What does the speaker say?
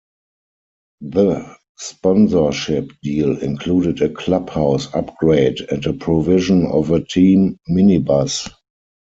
The sponsorship deal included a clubhouse upgrade and provision of a team minibus.